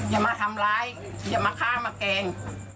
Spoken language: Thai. อย่ามาทำร้ายอย่ามาฆ่ามาแกล้ง